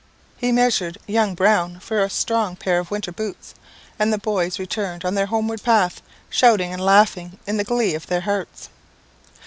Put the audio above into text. He measured young Brown for a strong pair of winter boots, and the boys returned on their homeward path, shouting and laughing in the glee of their hearts.